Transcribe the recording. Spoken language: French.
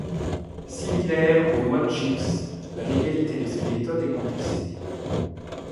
Similaire au modchips, la légalité de ces méthodes est contestée.